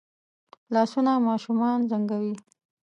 لاسونه ماشومان زنګوي